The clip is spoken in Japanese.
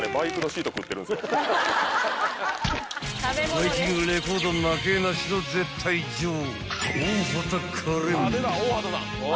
［バイキングレコード負けなしの絶対女王］